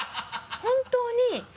本当に。